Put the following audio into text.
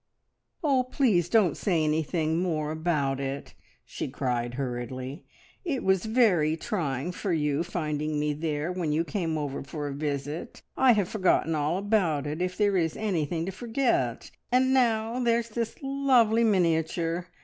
"Oh, please don't say anything more about it!" she cried hurriedly. "It was very trying for you finding me there when you came over for a visit. I have forgotten all about it, if there is anything to forget; and now there's this lovely miniature.